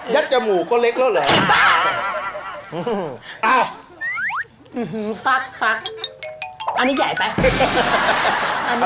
ยัดจมูก็เล็กเลอะเหรออื้อหือฟักฟักอันนี้ใหญ่ไป